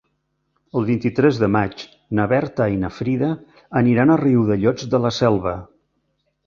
El vint-i-tres de maig na Berta i na Frida aniran a Riudellots de la Selva.